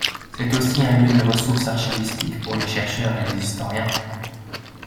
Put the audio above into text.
C'est aussi un lieu de ressources archivistiques pour les chercheurs et les historiens.